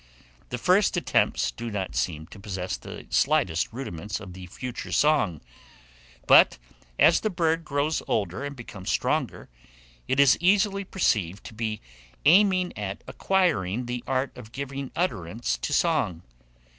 The first attempts do not seem to possess the slightest rudiments of the future song; but, as the bird grows older and becomes stronger, it is easily perceived to be aiming at acquiring the art of giving utterance to song.